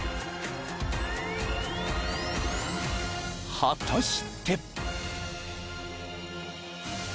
［果たして］